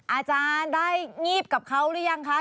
อาจารย์ได้งีบกับเขาหรือยังคะ